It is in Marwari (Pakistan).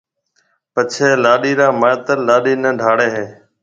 پڇيَ لاڏِي را مائيتر لاڏِي نيَ ڊاڙيَ ھيََََ